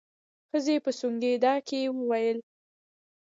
ښځې په سونګېدا کې وويل.